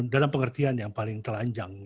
dalam pengertian yang paling telanjang